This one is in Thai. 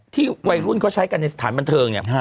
วัยรุ่นเขาใช้กันในสถานบันเทิงเนี่ย